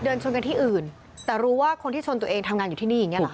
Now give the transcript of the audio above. เดินชนกันที่อื่นแต่รู้ว่าคนที่ชนตัวเองทำงานอยู่ที่นี่อย่างเงี้เหรอค